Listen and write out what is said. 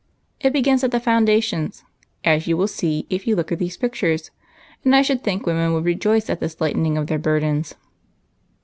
It begins at the foundations, as you will see if you will look at these pictures, and I should think women would rejoice at this lightening of their burdens."